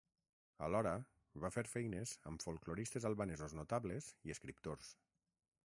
Alhora va fer feines amb folkloristes albanesos notables i escriptors.